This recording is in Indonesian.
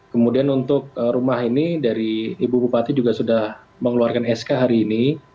kemudian untuk rumah ini dari ibu bupati juga sudah mengeluarkan sk hari ini